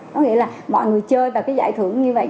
nó nghĩa là mọi người chơi và cái giải thưởng như vậy